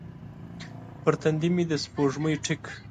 پر تندې مې د سپوږمۍ ټیک